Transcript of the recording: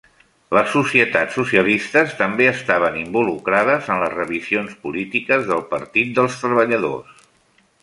Les societats socialistes també estaven involucrades en les revisions polítiques del partit dels treballadors.